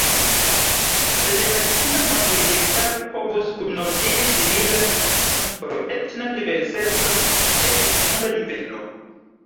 Federacia mondregistaro povus kunordigi similan subtenon por etna diverseco ĉe tutmonda nivelo.